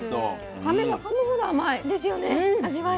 かめばかむほど甘い。ですよね味わい。